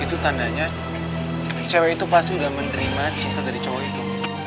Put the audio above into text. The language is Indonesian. itu tandanya cewek itu pasti udah menerima cinta dari cowok itu